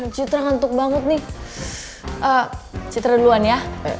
uh pa citra ngantuk banget nih citra duluan ya